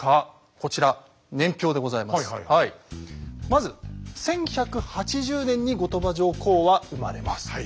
まず１１８０年に後鳥羽上皇は生まれます。